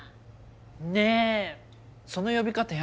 ねえその呼び方やめてよ！